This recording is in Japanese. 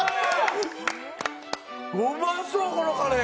うまそうこのカレー！